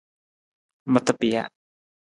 Mata pija.